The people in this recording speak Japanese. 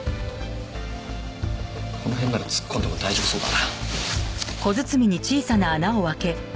この辺なら突っ込んでも大丈夫そうだな。